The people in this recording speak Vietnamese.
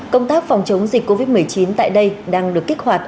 công tác phòng chống dịch covid một mươi chín tại đây đang được kích hoạt